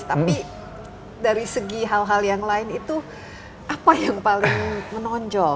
tapi dari segi hal hal yang lain itu apa yang paling menonjol